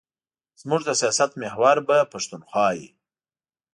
زموږ د سیاست محور به پښتونخوا وي.